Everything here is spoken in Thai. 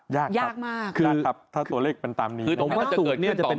ยากครับยากมากยากครับถ้าตัวเลขเป็นตามนี้นะครับผมว่าสูตรนี้จะเป็นไปได้